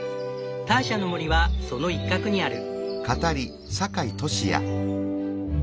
ターシャの森はその一角にある。